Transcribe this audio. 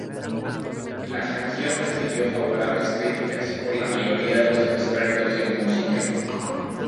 La canción recibió favorables críticas por la mayoría de los expertos en música.